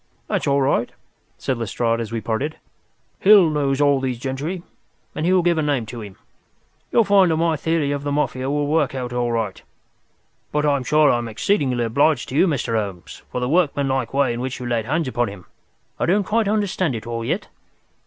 "That's all right," said Lestrade, as we parted. "Hill knows all these gentry, and he will give a name to him. You'll find that my theory of the Mafia will work out all right. But I'm sure I am exceedingly obliged to you, Mr. Holmes, for the workmanlike way in which you laid hands upon him. I don't quite understand it all yet."